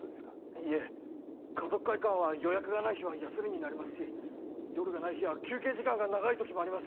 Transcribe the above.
いえ華族会館は予約がない日は休みになりますし夜がない日や休憩時間が長いときもあります